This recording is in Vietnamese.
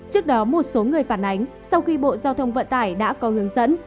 trước đó một số người phản ánh sau khi bộ giao thông vận tải đã có hướng dẫn